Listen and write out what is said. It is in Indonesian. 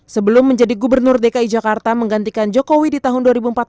sebelum menjadi gubernur dki jakarta menggantikan jokowi di tahun dua ribu empat belas